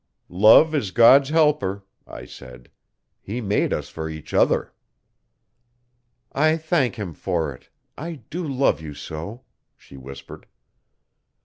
'Love is God's helper,' I said. 'He made us for each other. 'I thank Him for it I do love you so,' she whispered.